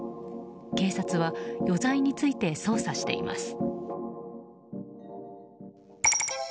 警察は余罪について捜査しています。